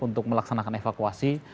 untuk melaksanakan evakuasi